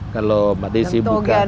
kalau mbak desi buka